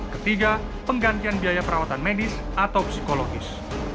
ketiga penggantian biaya perawatan medis atau psikologis